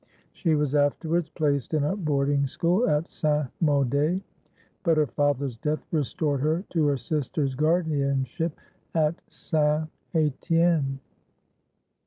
She was afterwards placed in a boarding school at Saint Maudé, but her father's death restored her to her sister's guardianship at Saint Etienne.